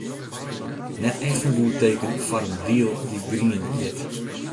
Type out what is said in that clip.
Net echt in goed teken foar in deal dy’t grien hjit.